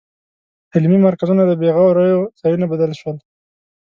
علمي مرکزونه د بېغوریو ځایونو بدل شول.